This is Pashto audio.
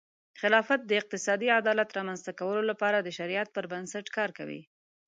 خلافت د اقتصادي عدالت رامنځته کولو لپاره د شریعت پر بنسټ کار کوي.